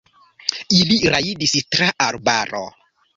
Ili rajdis tra arbaro.